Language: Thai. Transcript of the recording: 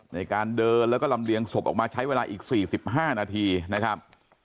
ในการเดินแล้วก็ลำเลียงศพออกมาใช้เวลาอีก๔๕นาทีนะครับ